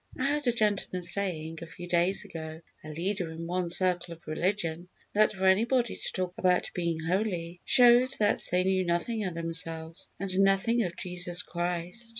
I heard a gentleman saying, a few days ago a leader in one circle of religion that for anybody to talk about being holy, showed that they knew nothing of themselves, and nothing of Jesus Christ.